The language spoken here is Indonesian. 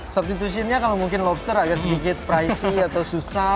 substitution nya kalau lobster agak sedikit pricey atau susah